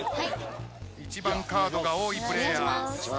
一番カードが多いプレーヤー。